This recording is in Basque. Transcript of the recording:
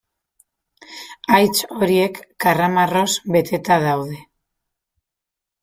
Haitz horiek karramarroz beteta daude.